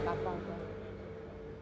nggak apa apa bu